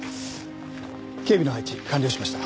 警備の配置完了しました。